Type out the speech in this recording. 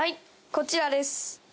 こちらです。